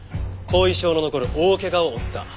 後遺症の残る大怪我を負った。